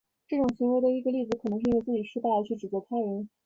这种行为的一个例子可能是因为自己失败而去指责他人。